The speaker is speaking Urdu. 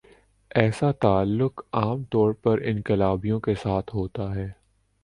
ایسا تعلق عام طور پر انقلابیوں کے ساتھ ہوتا ہے۔